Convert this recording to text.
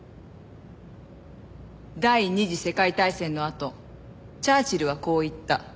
第二次世界大戦のあとチャーチルはこう言った。